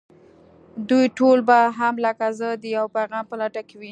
دوی ټول به هم لکه زه د يوه پيغام په لټه کې وي.